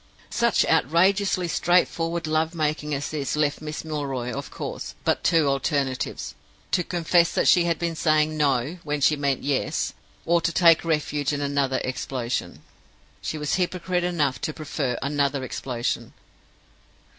Such outrageously straightforward love making as this left Miss Milroy, of course, but two alternatives to confess that she had been saying No when she meant Yes, or to take refuge in another explosion. She was hypocrite enough to prefer another explosion.